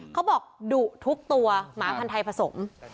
เขาบอกดุทุกตัวหมาพันธ์ไทยผสม